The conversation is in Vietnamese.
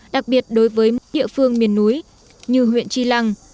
đặc biệt đối với địa phương miền núi như huyện tri lăng